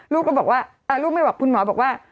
ลูกก็บอกว่าลูกไม่บอกคุณหมอบอกว่า